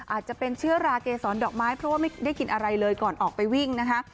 อาจจะเป็นเชื้อราเกษรดอกไม้เพราะว่าไม่ได้กินอะไรเลยก่อนออกไปวิ่งนะคะ